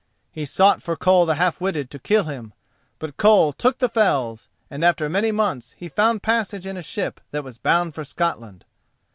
He sought for Koll the Half witted to kill him, but Koll took the fells, and after many months he found passage in a ship that was bound for Scotland.